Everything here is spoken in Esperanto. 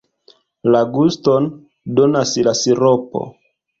La guston donas la siropo.